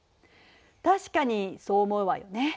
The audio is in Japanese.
確かにそう思うわよね。